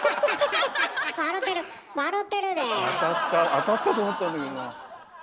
当たったと思ったんだけどな。